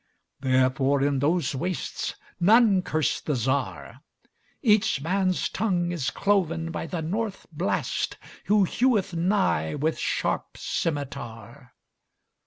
Therefore, in those wastesNone curse the Czar.Each man's tongue is cloven byThe North Blast, who heweth nighWith sharp scymitar.